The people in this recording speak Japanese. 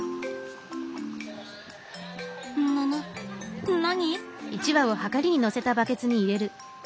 ぬぬ何？